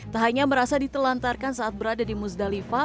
tak hanya merasa ditelantarkan saat berada di musdalifah